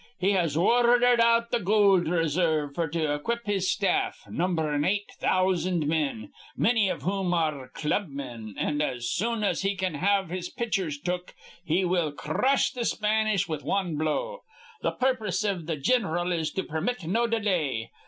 He has ordhered out th' gold resarve f'r to equip his staff, numberin' eight thousan' men, manny iv whom ar re clubmen; an', as soon as he can have his pitchers took, he will cr rush th' Spanish with wan blow. Th' purpose iv th' gin'ral is to permit no delay.